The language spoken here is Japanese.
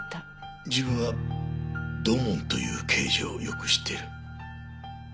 自分は土門という刑事をよく知っている。